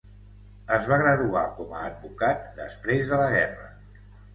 Es va graduar com a advocat després de la guerra.